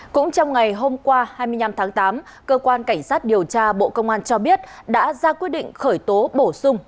cũng trong ngày hôm qua hai mươi năm tháng tám cơ quan cảnh sát điều tra bộ công an cho biết đã ra quyết định khởi tố bổ sung